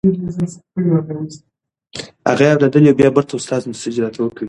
هغې وویل که ناروغي په لومړي پړاو کې کشف شي، درملنه اغېزمنه ده.